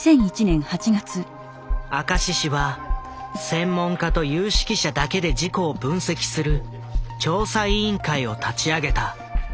明石市は専門家と有識者だけで事故を分析する調査委員会を立ち上げた。